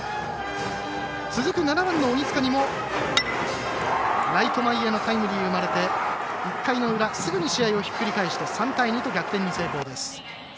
続く７番の鬼塚にもライト前へのタイムリーが生まれて１回の裏、すぐに試合をひっくり返して３対２と逆転に成功です。